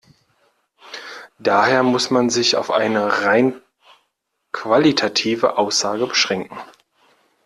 Daher muss man sich auf eine rein qualitative Aussage beschränken.